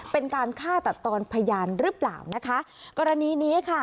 เป็นการฆ่าตัดตอนพยานหรือเปล่านะคะกรณีนี้ค่ะ